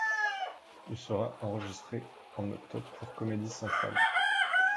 Il sera enregistré en octobre pour Comedy Central.